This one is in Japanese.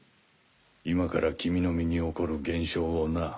今から君の身に起こる現象をな。